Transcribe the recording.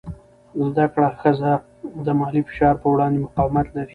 زده کړه ښځه د مالي فشار په وړاندې مقاومت لري.